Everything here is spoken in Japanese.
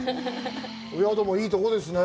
お宿もいいところですね。